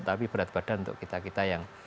tapi berat badan untuk kita kita yang